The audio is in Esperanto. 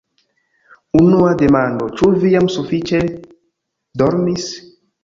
Unua demando, ĉu vi jam sufiĉe dormis?